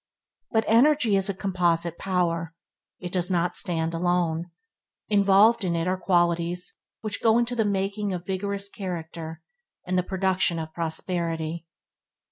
But energy is a composite power. It does not stand alone. Involved in it are qualities which go to the making of vigorous character and the production of prosperity.